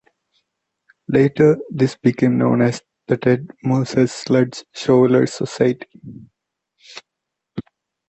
Later, this became known as the Ted Moses Sludge Shovelers Society.